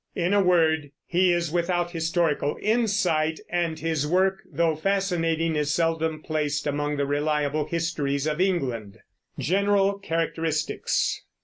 In a word, he is without historical insight, and his work, though fascinating, is seldom placed among the reliable histories of England. GENERAL CHARACTERISTICS.